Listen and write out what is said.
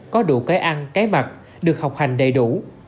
có đủ cái ăn cái mặt được học hành đầy đủ